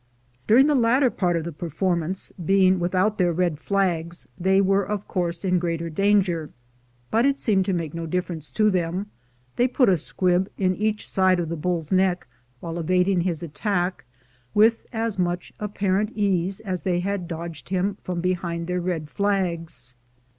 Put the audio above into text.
During the latter part of the performance, being without their red flags, BULL FIGHTING 319 they were of course in greater danger; but it seemed to make no difference to them; they put a squib in each side of the bull's neck, while evading his attack, with as much apparent ease as they had dodged him from behind their red flags.